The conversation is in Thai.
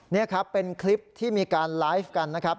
นี่ครับเป็นคลิปที่มีการไลฟ์กันนะครับ